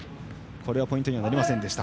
これはポイントにはなりませんでした。